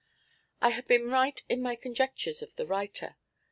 I had been right in my conjectures of the writer.